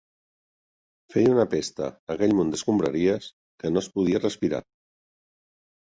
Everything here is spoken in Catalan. Feia una pesta, aquell munt d'escombraries, que no es podia respirar.